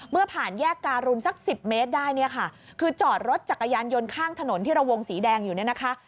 เมื่อผ่านแยกการุณสักสิบเมตรได้เนี่ยค่ะคือจอดรถจักรยานยนต์ข้างถนนที่ระวงสีแดงอยู่เนี่ยนะคะ